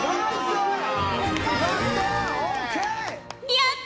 やった！